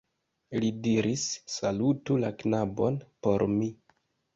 Li diris: "Salutu la knabon por mi.